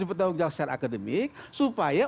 bertanggung jawab secara akademik supaya